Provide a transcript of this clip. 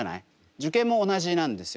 受験も同じなんですよ。